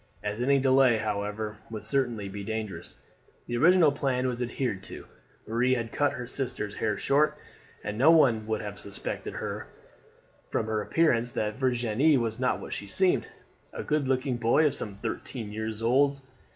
As any delay, however, would certainly be dangerous, the original plan was adhered to. Marie had cut her sister's hair short, and no one would have suspected from her appearance that Virginie was not what she seemed, a good looking boy of some thirteen years old.